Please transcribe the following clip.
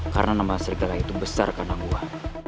karena nama serigala itu besar karena gua